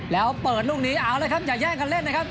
แล้วเปิดลุกนี้อย่าแย่งกันเล่นนะครับ